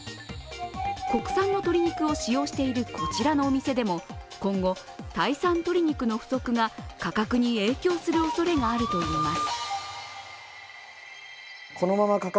国産の鶏肉を使用しているこちらのお店でも今後、タイ産鶏肉の不足が価格に影響するおそれがあるといいます。